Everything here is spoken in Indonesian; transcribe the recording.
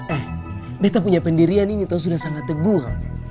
eh beta punya pendirian ini tuh sudah sangat tegur